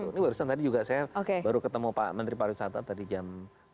ini barusan tadi juga saya baru ketemu pak menteri pariwisata tadi jam